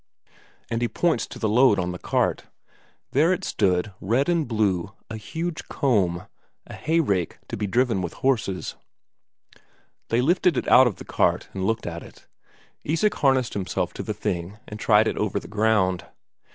And he points to the load on the cart. There it stood, red and blue, a huge comb, a hayrake to be driven with horses. They lifted it out of the cart and looked at it; Isak harnessed himself to the thing and tried it over the ground.